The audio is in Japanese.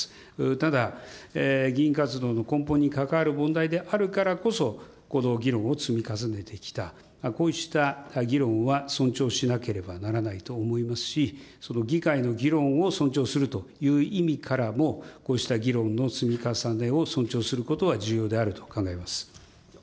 ただ、議員活動の根本に関わる問題であるからこそ、この議論を積み重ねてきた、こうした議論は尊重しなければならないと思いますし、その議会の議論を尊重するという意味からも、こうした議論の積み重ねを尊重することは重要であると考えます。